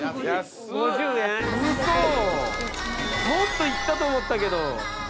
もっといったと思ったけど。